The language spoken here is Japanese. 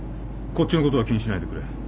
こっちのことは気にしないでくれ。